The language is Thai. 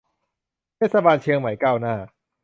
เทศบาลเชียงใหม่ก้าวหน้า